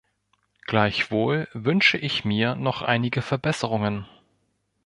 Gleichwohl wünsche ich mir noch einige Verbesserungen.